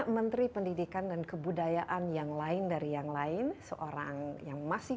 menteri pendidikan dan kebudayaan yang lain dari yang lain seorang yang masih